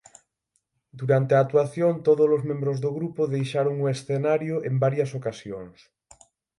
Durante a actuación tódolos membros do grupo deixaron o escenario en varias ocasións.